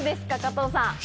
加藤さん。